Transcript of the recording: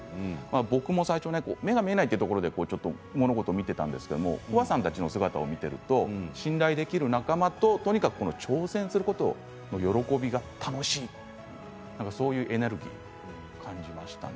僕も最初目が見えないというところで物事を見ていたんですけれどコバさんたちの姿を見ると信頼できる仲間ととにかく挑戦することの喜びが楽しいそういうエネルギーを感じましたね。